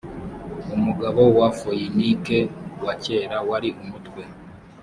umugabo wa foyinike wa kera wari umutwe